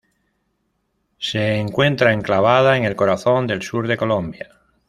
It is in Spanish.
Se encuentra enclavada en el corazón del sur de Colombia.